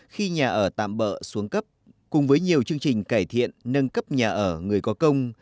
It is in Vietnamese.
khi nhà ở tạm bỡ xuống cấp cùng với nhiều chương trình cải thiện nâng cấp nhà ở người có công